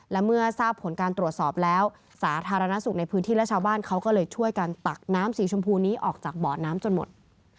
และเมื่อทราบผลการตรวจสอบแล้วสาธารณสุขในพื้นที่และชาวบ้านเขาก็เลยช่วยกันตักน้ำสีชมพูนี้ออกจากเบาะน้ำจนหมด